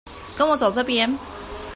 跟我走這邊